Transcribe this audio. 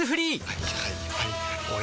はいはいはいはい。